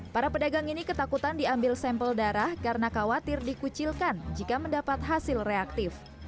para pedagang ini ketakutan diambil sampel darah karena khawatir dikucilkan jika mendapat hasil reaktif